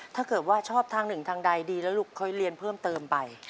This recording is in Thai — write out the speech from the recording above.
ถ้าเกิดว่าชอบทางหนึ่งทางใดดีแล้วลูกค่อยเรียนเพิ่มเติมไป